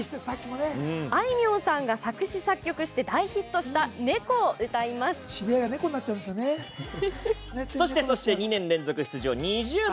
あいみょんさんが作詞・作曲して大ヒットした「猫」を歌いますそして、２年連続出場ＮｉｚｉＵ。